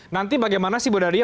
nanti bagaimana sih bu dhania